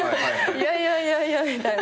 いやいやいや。